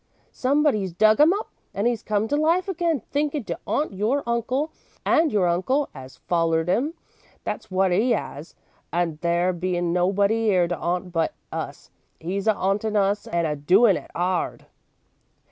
Somebody 's dug 'im up, and 'e 's come to life again, thinkin' to 'aunt your uncle, and your uncle 'as follered 'im, that's wot 'e 'as, and there bein' nobody 'ere to 'aunt but us, 'e's a 'auntin' us and a doin' it 'ard."